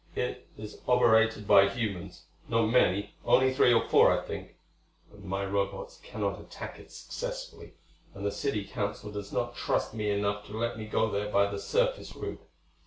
It is operated by humans; not many; only three or four, I think. But my Robots cannot attack it successfully, and the City Council does not trust me enough to let me go there by the surface route.